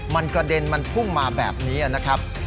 มันกระเด็นมันพุ่งมาแบบนี้นะครับ